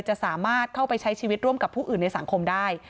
จะสามารถเข้าไปใช้ชีวิตร่วมกับผู้อื่นในสังคมได้